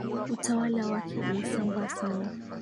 Utawala wake ulisambaa sana